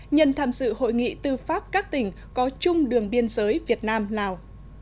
nhân tham dự hội nghị tư pháp các tỉnh có chung đường biên giới việt nam lào